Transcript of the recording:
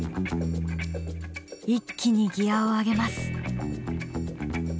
一気にギアを上げます。